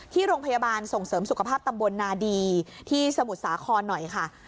ที่โรงพยาบาลส่งเสริมสุขภาพตำบลนาดีที่สมุทรสาครหน่อยค่ะ